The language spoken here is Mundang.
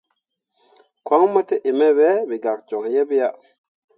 Koŋ mo te in me be, me gak joŋ yeḅ ki ya.